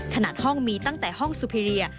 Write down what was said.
ขนาดห้องมีตั้งแต่ห้องสุพิเรีย